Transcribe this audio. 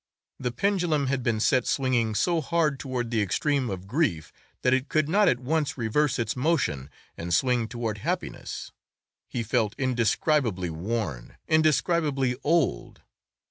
The pendulum had been set swinging so hard toward the extreme of grief that it could not at once reverse its motion and swing toward happiness. He felt indescribably worn, indescribably old.